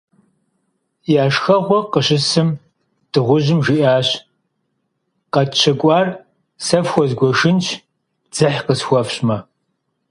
Я шхэгъуэ къыщысым, дыгъужьым жиӏащ: - Къэтщэкӏуар сэ фхуэзгуэшынщ, дзыхь къысхуэфщӏмэ.